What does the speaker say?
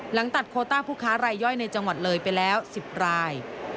หลังตัดโคต้าผู้ค้ารายย่อยในจังหวัดเลยไปแล้ว๑๐ราย